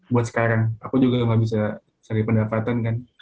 buat sekarang aku juga gak bisa cari pendapatan kan